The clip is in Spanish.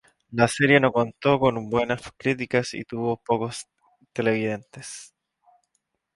La serie no contó con buenas críticas y tuvo pocos televidentes.